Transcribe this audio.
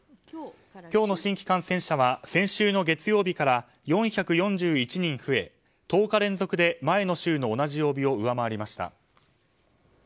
今日の新規感染者は先週の月曜日から４４１人増え１０日連続で前の週の同じ曜日を上回りました。